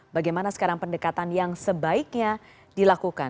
bagaimana sekarang pendekatan yang sebaiknya dilakukan